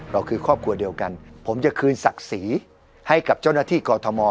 เราคือครอบครัวเดียวกันผมจะคืนศักดิ์ศรีให้กับเจ้าหน้าที่กอทม